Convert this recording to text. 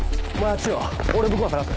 俺向こう捜す。